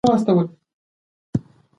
ویتنام د ونو خوندي کول غواړي.